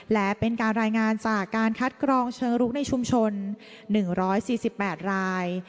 และเป็นการรายงานจากการคัดกรองเชิงรุกในชุมชน๑๔๘ราย